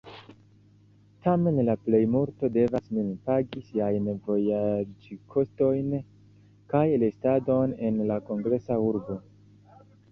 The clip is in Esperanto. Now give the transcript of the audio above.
Tamen la plejmulto devas mem pagi siajn vojaĝkostojn kaj restadon en la kongresa urbo.